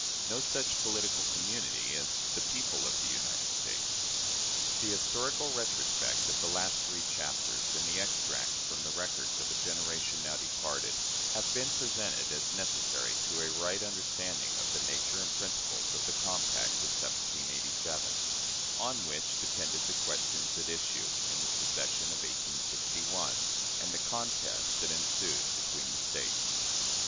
No such Political Community as the "People of the United States." The historical retrospect of the last three chapters and the extracts from the records of a generation now departed have been presented as necessary to a right understanding of the nature and principles of the compact of 1787, on which depended the questions at issue in the secession of 1861 and the contest that ensued between the States.